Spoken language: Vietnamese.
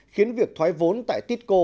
khiến việc thoái vốn tại tisco